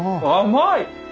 甘い？